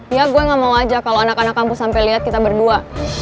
ya gue gak mau aja kalo anak anak kampus sampe liat kita berdua